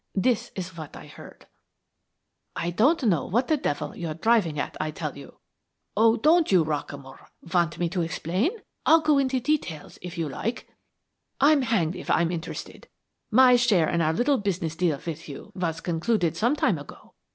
This is what I heard: "'I don't know what the devil you're driving at, I tell you.' "'Oh, don't you, Rockamore? Want me to explain? I'll go into details if you like.' "'I'm hanged if I'm interested. My share in our little business deal with you was concluded some time ago.